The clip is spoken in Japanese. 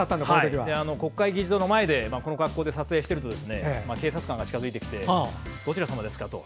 国会議事堂の前でこの格好で撮影していると警察官が近づいてきてどちらさまですか？と。